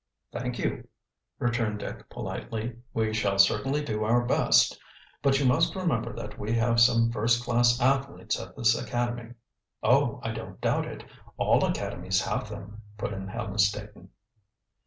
"Thank you," returned Dick politely. "We shall certainly do our best. But you must remember that we have some first class athletes at this academy." "Oh, I don't doubt it. All academies have them," put in Helen Staton.